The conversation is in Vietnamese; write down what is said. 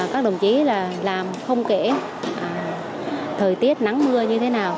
các đồng chí là làm không kể thời tiết nắng mưa như thế nào